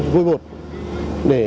vôi bột để